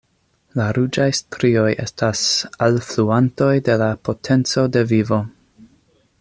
La ruĝaj strioj estas alfluantoj de la potenco de vivo.